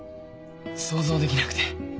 想像できなくて。